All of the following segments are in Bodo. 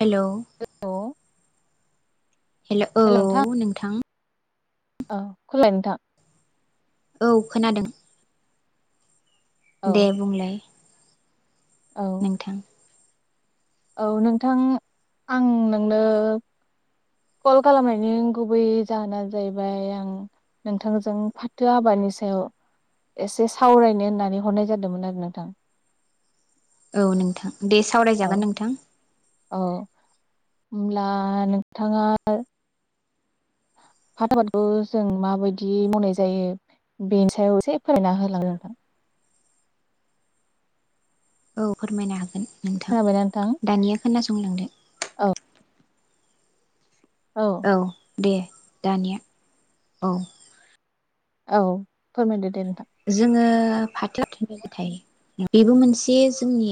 हेलौ औ हेल' नोंथां हेलौऔ नोंथां [unintelligible] औ खोनादों औ दे बुंलाय औ नोंथां औ नोंथां आं नोंनो कल खालामनायनि गुबै जाहोना जाहैबाय आं नोंथांजों फाथो आबादनि सायाव एसे सावरायनो होननानै हरनाय जादोंमोन आरो नोंथां औ नोंथां दे औ सावरायजागोन नोंथां औ होमब्ला नोंथाङा [unintelligible] जों माबायदि मावनाय जायो बेनि सायाव एसे फरायना होलांदो औ फोरमायनो हागोन। नोंथां दानिया खोनासंलांदो। औ औ दे दानिया औ औ फोरमायदो दे। नोंथां जोङो [unintelligible] बेबो मोनसे [unintelligible]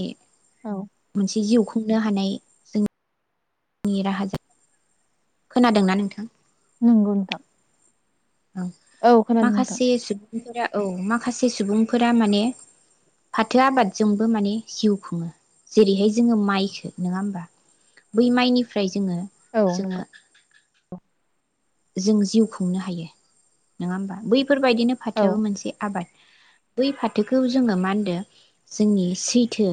औ मोनसे जिउ खुंनो हानाय जोंनि राहाजों खोनादोंना नोंथां? नोंगौ नोंथां। औ खोनादों नोंथां माखासे [unintelligible] औ माखासे सुबुंफोरा माने फाथो आबादजोंबो माने जिउ खुङो जेरैहाय जोङो माइखो नङा होमबा बै माइनिफ्राय जोङो औ जोङो नंगौ जों जिउ खुंनो हायो नङा होमबा बै फोरबायदिनो औ फाथोआबो मोनसे आबाद। बै फाथोखौ जोङो मा होनदो जोंनि सैथो।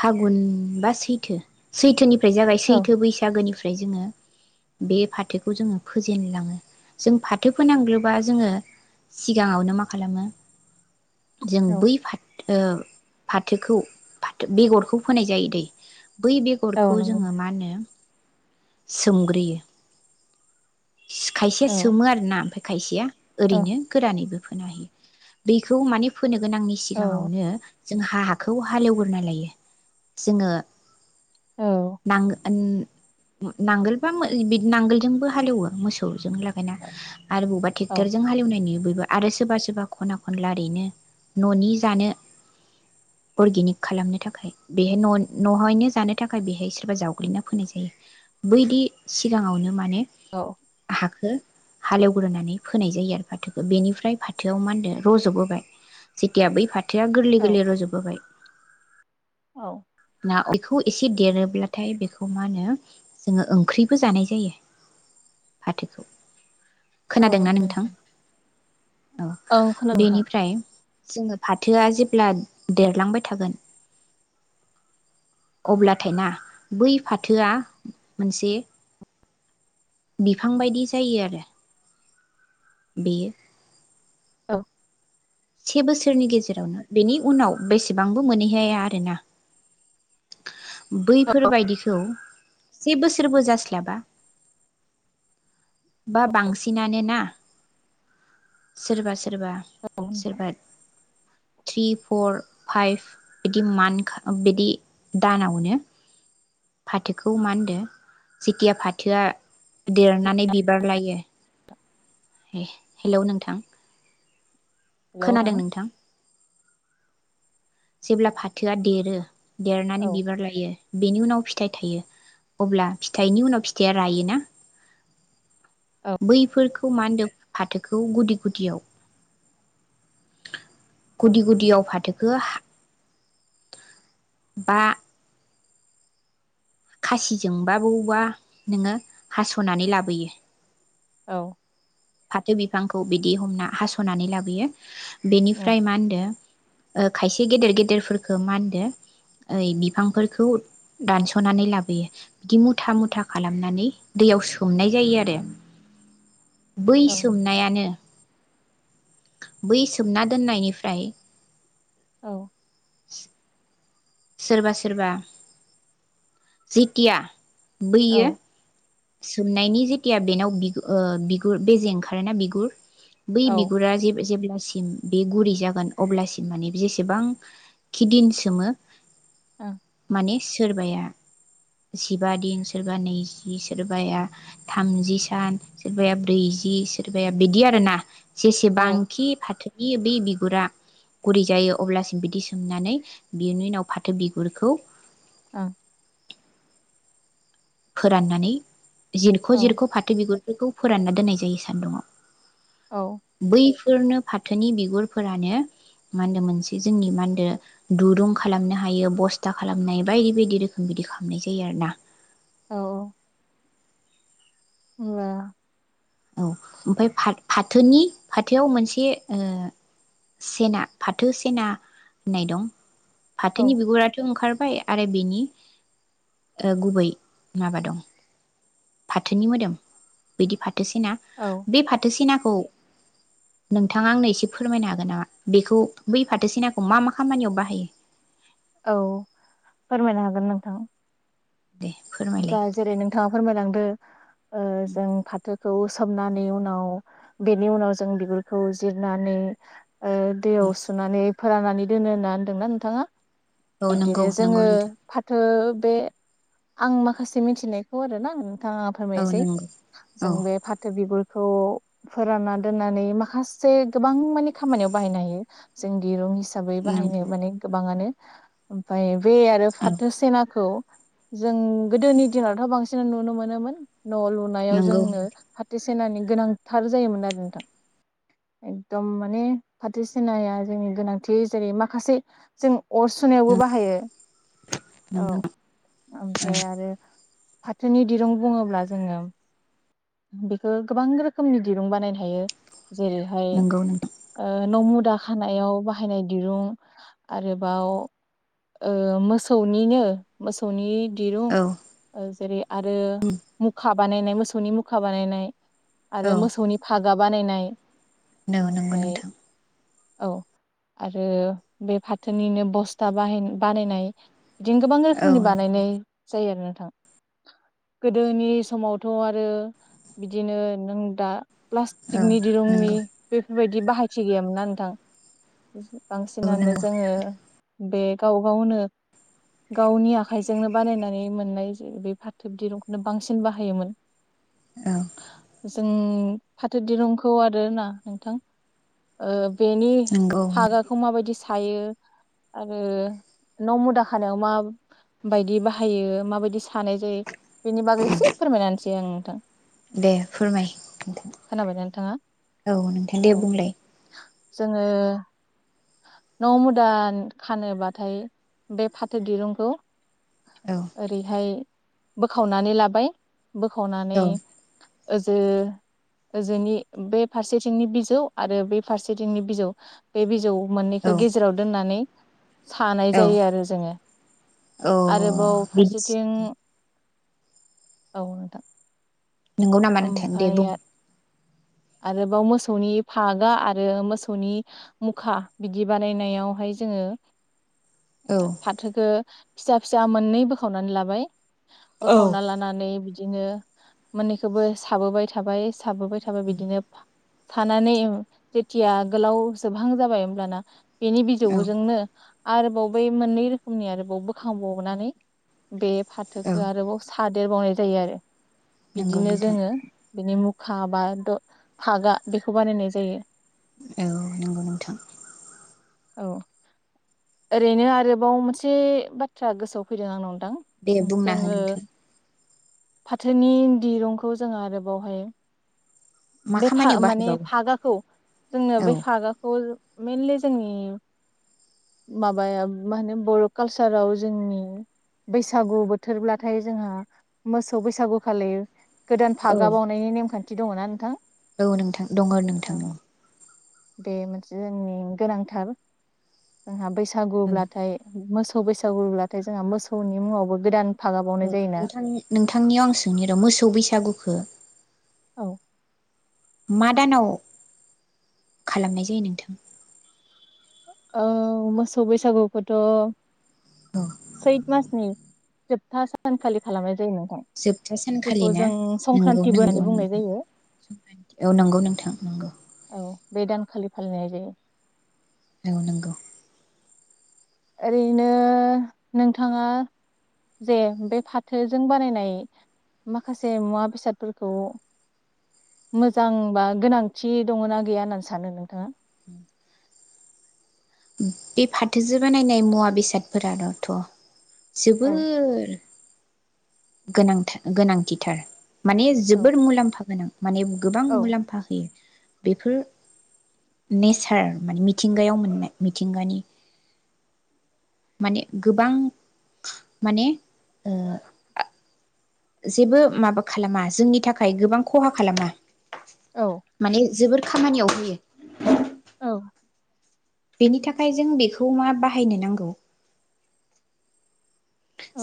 फागुन बा सैथो -सैथोनि [unintelligible] जाबाय औ सैथो बैसागोनिफ्राय [unintelligible] जोङो बे फाथोखौ जोङो फोेजेनलाङो जों फाथो फोनांग्रोबा जोङो सिगाङावनो मा खालामो जों औ बै [unintelligible] ओ फाथोखौ बेगरखौ फोनाय जायो दै बै औ बेगरखौ नंगौ जोङो मा होनो सोमग्रोयो । खायसे नोंथां। सोमो आरोना। खायसेया औ ओरैनो गोरानैबो फोना होयो बेखौ माने फोनो गोनांनि औ सिगाङावनो जों हा-हाखौ हालेवग्रोना लायो। जोङो औ आं नांगोलबा नांगोलजोंबो हालेवो मोसौ जों लागायना आरो बबा औ टेखटरजों हालवनाय नुयो। बयबो आरो सोरबा सोरबा खना खन ओरैनो न'नि जानो अर्गेनिक खालामनो थाख खाय बेहाय न' न'हायनो जानो थाखाय बेहाय सोरबा जावग्लिना फोनाय जायो बैदि सिगाङावनो माने औ खो हालेवग्रोनानै फोनाय जायो आरो फाथोखौ बेनिफ्राय फाथोआव मा होनो रज'बोबाय जेथिया बै फाथ थोआ गोरलै औ गोरलै रजबोबाय औ ना बेखौ एसे देरोब्लाथाय बेखौ मा होनो जोङो ओंख्रिबो जानाय जायो फाथोखौ। औ खोनादोंना नंगौ नोंथां? औ खोनादों नोंथां बेनिफ्राय जोङो फाथोआ जेब्ला देरलांबाय थागोन। अब्लाथाय ना बै फाथोआ मोनसे बिफां बायदि जायो आरो। बेयो औ से बोसोरनि गेजेरावनो बेनि उनाव बेसेबांबो मोनहैहाया आरोना औ बैफोरबायायदिखौ से बोसोरबो जास्लाबा बा बांसिनानो ना सोरबा सोरबा औ नोंथां सोरबा थ्रि फर फाइभ बिदि मान्थ बिदि दानावनो फाथोखौ मा होनदों जेथिया फाथोआ देरनानै बिबार लायो। ए हेलौ नोंथां खोनादों नोंथां जेब्ला फाथोआ देरो देरनानै औ बिबार लायो। बेनि उनाव फिथाइ थायो अब्ला फिथाइनि उनाव फिथाइया रायोना औ बैफोरखौ खौ मा होन्दों फाथोखौ गुदि गुदियाव गुदि औ गुदियाव फाथो गो बा खासिजोंबा बवबा नोङो हास'नानै लाबोयो। औ फाथो बिफांखौ बिदि हमना हास'नानै लाबोयो। बेनिफ्राय मा होनदों खायसे गेदेर गेदेरफोरखौ मा होनदो ओइ बिफांफोरखौ दानस'नानै लाबोयो बिदि मुथा -मुथा खालामनानै दैयाव सोमनाय जायो आरो बै औ नोंथां। सोमनायानो बै सोमना दोननायनिफ्राय औ [inaudible] सोरबा- सोरबा जिथिया औ बैयो औ सोमनायनि जेथिया बेनाव बि ओ बिगुर बेजे ओंखारोना बिगुर बै ओं बिगुरा जे जेब्ला सिम बे गुरै जागोन अब्लासिम माने जेसेबां खिदिन सोमो माने सो सोरबाया जिबा दिन सोरबा नैजि सोरबाया थामजि सान सोरबाया ब्रैजि सोरबाया बिदि आरो ना औ ओं जेसेबांखि फाथो बि बै बिगुरा गुरै जायो अब्लासिम बिदि सोमनानै बिनि उनाव फाथो बिगुरखौ औ फोराननानै जिरख' औ औ -जिरख' फाथो बिगुरफोरखौ फोरानना दोननाय जायो औ सान्दुंआव बै बेफोरनो फाथोनि बिगुरफोरानो मा होनो मोनसे जोंनि मा होनदो दुरुं खालामनो हायो बस्था खालामनो हायो बायदि -बायदि रोखोम बिदि खालामनाय जायो आरो ना औ -औ मा औ ओमफ्राय फा फाथोनि फाथोआव मोनसे सेना फाथो सेना होननाय दं औ फाथोनि बिगुराथ ओंखार फाय आरो बेनि गुबै माबा दं। फाथोनि मोदोम बिदि फा थो सेना औ बे फाथोसिना खौ नोंथाङा आंनो एसे फोरमायनो हागोन नामा बेखौ बै फाथो सेनाखौ मा मा खामानियाव बाहायो? औ फोरमायनो हागोन नोंथां। दे फोरमायलाय दा जेरै नोंथाङा फोरमायलांदो ओ जों फाथो खौ सोमनानै उनाव बेनि उनाव जों बिगुरखौ जिरनानै ओ दैयाव सुनानै फोराननानै दोनो होनना होनदोंना नोंथाङा औ नंगौ बिब्दिनो नंगौ जोङो नोंथां फाथो बे आं माखासे मिथिनायखौ आरोना थाङा औ फोरमायनोसै। नंगौ जों औ बे फाथो बिगुर खौ फोरानना दोननानै माखासे गोबां माने खामानियाव बाहायनो हायो जों दिरुं हिसाबै बाहायनो नंगौ माने गोबाङानो ओमफ्राय बे आरो औ फाथो सेनाखौ जों गोदोनि दिनावथ' बांसिन नुनो मोनोमोन न' लुनायाव नंगौ जोंनो फाथो सेनानि गोनांथार जायोमोन आरो नोंथां। एकदम माने फाथो सेनाया जोंनि गोनांथि जेरै माखासे जों अर सुनायावबो बाहायो नों औ। ओमफ्राय आरो फाथोनि दिरुं बुङोब्ला जोङो बेखौ गोबां रोखोमनि दिरुं बानायनो हायो। जेरैहाय नंगौ नोंथां ओ न'मु दा खानायाव बाहायनाय दिरुं आरोबाव ओ मोसौनिनो मो सौनि दिरूं औ ओ जेरै आरो मुखा बानायनाय मोसौनि मुखा बानायनाय आरो मोसौनि फा गा बानायनाय नो नोंगौ ओमफ्राय नोंथां औ आरो बे फाथोनिनो बस्था बाहाय बानायनाय बिदिनो गोबां औ रोखोमनि बानायनाय जायो आरो नों थां। गोदोनि समावथ' आरो बिदिनो नों दा औ प्लास्टिकनि दिरुंनि नंगौ बेफोरबाय बाहायथि गैयामोनना नोंथां औ बांसिनानो नंगौ जोङो बे गाव गावनो गावनि आखाइजोंनो बानायनानै मोननाय जे बे फाथोब दिरुंखौनो बांसिन बाहायोमोन औ जों फाथो दिरुंखौ आरोना नोंथां ओ बेनि नंगौ फागाखौ माबायदि स थायो आरो न मुदा खानायाव मा बायदि बाहायो माबायदि सा थानाय जायो बेनि बागै एसे फोरमायनासै आं नोंथां दे फोरमाय नोंथां खोनाबाय नोंथाङा औ नोंथां दे औ। बुंलाय जोङो न मुदा खानोबाथाय बे फाथो दिरुंखौ औ ओरैहाय बोखावनानै लाबाय औ बोखावनानै ओस ओ ओजोंनि बे फारसेथिंनि बिजौ आरो बे फारसेथिंनि बिजौ बे बिजौ औ मोननैखो गेजेराव दोननानै सानाय औ जायो आरो जोङो औ आरोबाव बिदि फारसेथिं औ नोंथां नोंगौ नामा नोंथां दे बुं ओमफ्राय आरोबाव मोसौनि फागा आरो मोसौनि मुखा बिदि बानायनायावहाय जोङो औ फाथोखो फिसा फिसा मोननै बोखावनानै लाबाय औ बोखावना लानानै बिदि बिदिनो मोननैखौबो साबोबाय थाबाय साबोबाय थाबाय बि दिनो फानानै जेथिया गोलाव जोबहां जाबाय होमब्लाना बेनि औ बिजौजोंनो आरोबाव बै मोननै रोखोमनि आरोबाव बोखांबावनानै बे औ फाथोखौ आरोबाव सादेरबावनाय जायो आरो नंगौ बिदिनो नोंथां जोङो बेनि मुखा बा द फागा बेखौ बानायनाय जायो। औ नंगौ नोंथां औ ओरैनो आरोबाव मोनसे बाथ्रा गोसोआव फैदों आंनाव नोंथां दे बुंना हो जोङो नोंथां फाथोनि दिरुंखौ जोङो आरोबावहाय मा बे फा खामानियाव माने बाहायबावो फागाखौ जोंनो औ बे फागाखौ मइेनलि जोंनि माबाया मा होनो बर' कालसाराव जोंनि बैसागु बोथोरब्लाथाय जोंहा मोसौ बैसागु खालि गोदान औ फागा बावनायनि नेम खान्थि दङ ना नोंथां औ नोंथां दङ नोंथां औ बे मोनसे जोंनि गोनांथार जोंहा बैसा औ सागोब्लाथाय मोसौ बैसागुब्लाथाय जोंहा मोसौनि मुङावबो गोदान फागा बावनाय औ जायोना नोंथां नोंथांनियाव आं सोंनि र मोसौ बैसागुखौ औ मा दानाव खालामनाय जायो नोंथां औ मोसौ बैसागुखौथ औ सैथ मासनि जोबथा सानखालि खालामनाय जायोनो जोबथा सानखालि ना? नोंगौ संक्रान्तिबो नोंगौ होननानै बुंनाय नोंथ जायो औ नंगौ नोंथां नंगौ। औ बे दानखालि फालिनाय जायो। औ नोंगौ। ओरैनो नोंथाङा जे बे फाथोजों बानायनाय माखासे मुवा बेसादफोरखौ मोजां बा गोनांथि दङ ना गैया होननानै सानो नोंथाङा। उम। बे फाथोजो बानायनाय मुवा बेसादफोरानोथ' औ जोबोर गोनांथा गोनांथिथार। माने औ जोबोर मुलाम्फा गोनां‌। माने गोबां औ मुलाम्फा होयो। बेफोर नेचार माने मिथिंगायाव मोननाय मिथिंगानि माने गोबां माने ओ जेबो माबा खालामा जोंनि थाखाय गोबां खहा खालामा। औ माने जोबोर खामानियाव होयो। औ। बेनि थाखाय जों बेखौ मा बाहायनो नांगौ?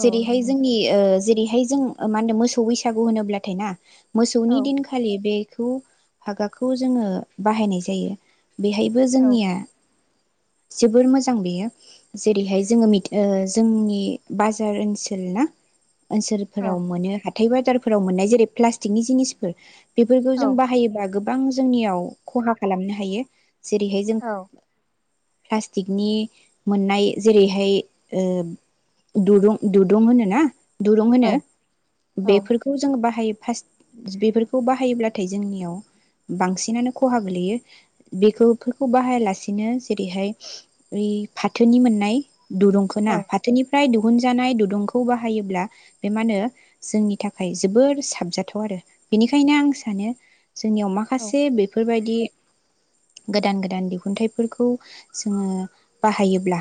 औ नंगौ नोंथां जोंनि ओ जेरैहाय जों मा होनो मोसौ बैसागु होनोब्लाथाय ना मोसौनि औ दिनखालि बे खौ हागाखौ जोङो बाहायनाय जायो। बेहायबो औ जोंनिया जोबोर मोजां बेयो जेरैहाय जोङो मिथ-ओ जोंनि बाजार ओनसोल ना औ ओनसोलफोराव मोनो हा थाइ बाजारफोराव मोननाय जेरै प्लास्टिकनि जिनिसफोर बेफोरखौ औ जों बाहायोबा गोब बां जोंनियाव खहा खालामनो हायो। जेरैहाय जों औ प्लास्टिकनि मोननाय जेरैहाय ओ दुरुं दुरुं होनो ना दुरुं औ होनो औ बेफोरखौ जोङो बाहायो। फास बेफोरखौ बाहायोब्लाथाय जोंनियाव बांसिनानो खहा गोलैयो बेफोरखौ बाहायालासेनो जेरैहाय ओइ फाथोनि मोननाय दुरुंखो ना औ फाथोनि फ्राय दिहुनजानाय दुदुंखौ बाहायोब्ला बे मा ओनो जोंनि थाखाय जोबोर साबजाथाव आरो बेनिखायनो आं सानो जोंनियाव औ माखासे बेफोरबायद दि गोदान गोदान दिहुनथाइफोरखौ जोङो बाहायोब्ला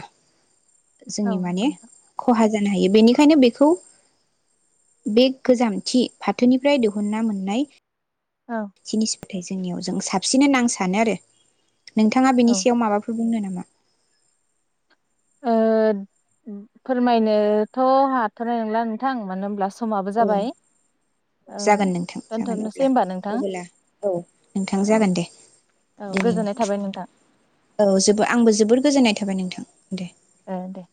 औ जोंनि माने नंगौ नोंथां खहा जानो हायो बेनिखायनो बेखौ बे गोजामथि फाथोनिफ्राय दिहुनना मोननाय औ जिनिस नाथाय जोंनियाव जों साबसिन होना आं सानो आरो। नोंथाङा बेनि औ सायाव माबाफोर बुंनो नामा? ना ओ फोरमायनोथ' हाथ'नाय नंला नोंथां मानो होमब्ला औ जागोन नोंथां जागोन दोनथ'नोसै अब्ला होमबा नोंथां अब्ला औ नोंथां औ जागोन दे औ दिनै गोजोननाय थाबाय नोंथां औ जोबो आंबो जोबोर गोजोननाय थाबाय नोंथां। दे। ओ दे।